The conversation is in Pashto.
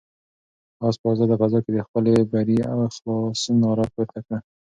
آس په آزاده فضا کې د خپل بري او خلاصون ناره پورته کړه.